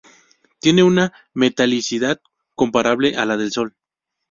Tiene una metalicidad comparable a la del Sol.